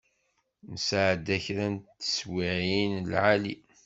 Nesεedda kra n teswiεin n lεali.